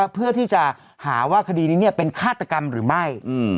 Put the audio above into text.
เพื่อที่จะหาว่าคดีนี้เป็นฆาตกรรมหรือไม่